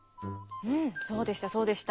うんそうでしたそうでした。